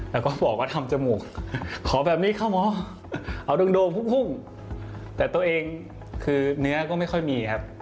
แล้วก็บอกว่าทำจมูกขอแบบนี้ค่ะหมอเอาโดมหุ้มแต่ตัวเองคือเนื้อก็ไม่ค่อยมีครับ